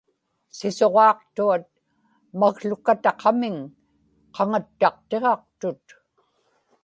sisuġaaqtuat makłukaktaqa-miŋ qaŋattaqtiġaqtut